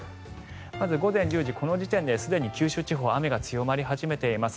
まず午前１０時この時点ですでに九州地方は雨が強まり始めています。